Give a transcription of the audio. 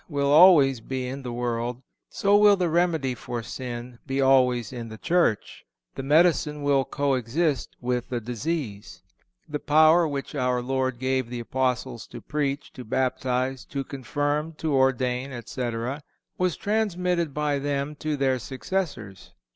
will always be in the world, so will the remedy for sin be always in the Church. The medicine will co exist with the disease. The power which our Lord gave the Apostles to preach, to baptize, to confirm, to ordain, etc., was transmitted by them to their successors.